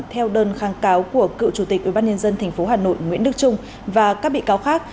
theo đơn kháng cáo của cựu chủ tịch ubnd tp hà nội nguyễn đức trung và các bị cáo khác